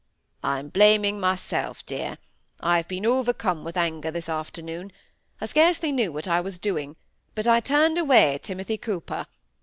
"I am blaming myself, dear. I have been overcome with anger this afternoon. I scarcely knew what I was doing, but I turned away Timothy Cooper.